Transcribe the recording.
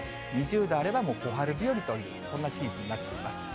２０度あれば、もう小春日和という、そんなシーズンになっています。